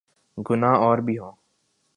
گناہ اور بھی ہوں۔